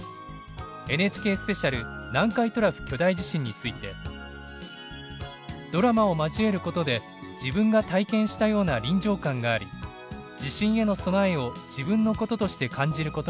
ＮＨＫスペシャル「南海トラフ巨大地震」について「ドラマを交えることで自分が体験したような臨場感があり地震への備えを自分のこととして感じることができた」。